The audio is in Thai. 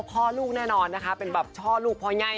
โพ่พ่อลูกแน่นอนนะคะเป็นชอบลูกพ่อไย